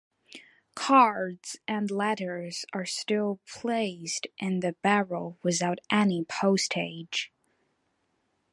Cards and letters are still placed in the barrel without any postage.